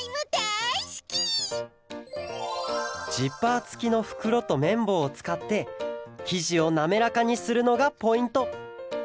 ジッパーつきのふくろとめんぼうをつかってきじをなめらかにするのがポイント。